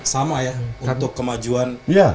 sama ya untuk kemajuan